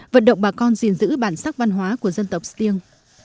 vận động bà con gìn giữ bản sắc văn hóa của dân tộc stiêng